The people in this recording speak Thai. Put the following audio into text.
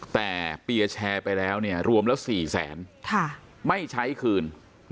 แต่เปียร์แชร์ไปแล้วรวมแล้ว๔แสนไม่ใช้คืน